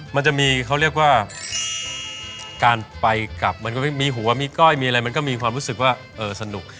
มันจะมีเขาเรียกว่าการไปกลับมันก็ไม่มีหัวมีก้อยมีอะไรมันก็มีความรู้สึกว่าสนุก